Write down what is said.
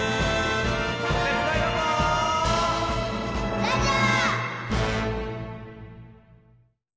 ラジャー！